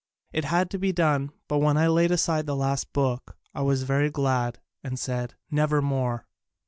It had to be done, but when I laid aside the last book I was very glad, and said, "Never mere